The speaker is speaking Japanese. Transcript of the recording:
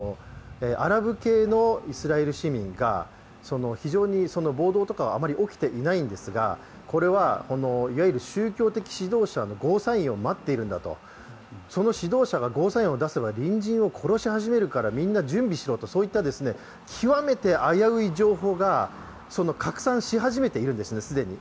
つい先ほど、現地のＦａｃｅｂｏｏｋで今、イスラエル国内のいわゆるアラブ系のイスラエル市民が非常に暴動とかはあまり起きていないんですが、これは宗教的指導者のゴーサインを待っているんだと、その指導者がゴーサインを出せば隣人を殺し始めるからみんな準備しろとそういった極めて危うい情報が拡散し始めているんですね、既に。